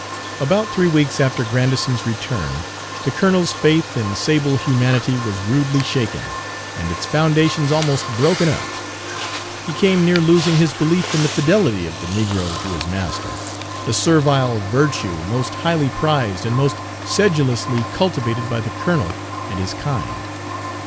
About three weeks after Grandison's return the colonel's faith in sable humanity was rudely shaken, and its foundations almost broken up. He came near losing his belief in the fidelity of the negro to his master, the servile virtue most highly prized and most sedulously cultivated by the colonel and his kind.